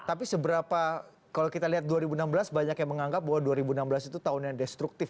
tapi seberapa kalau kita lihat dua ribu enam belas banyak yang menganggap bahwa dua ribu enam belas itu tahun yang destruktif